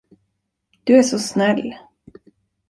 Du är så snäll.